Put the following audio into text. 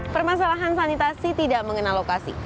permasalahan sanitasi tidak mengenal lokasi